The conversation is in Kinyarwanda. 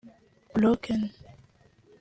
Broken